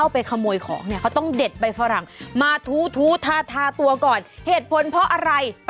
ไปดูกล้องวงจรปิดนี่บันทึกภาพ